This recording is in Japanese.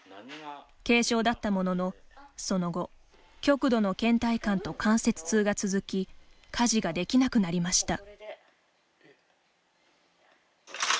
軽症だったものの、その後極度のけん怠感と関節痛が続き家事ができなくなりました。